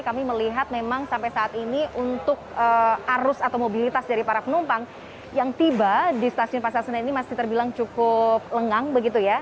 kami melihat memang sampai saat ini untuk arus atau mobilitas dari para penumpang yang tiba di stasiun pasar senen ini masih terbilang cukup lengang begitu ya